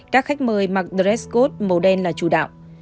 các khách mời mặc dress code màu đen là chủ đạo